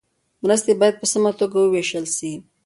مرستې باید په سمه توګه وویشل سي.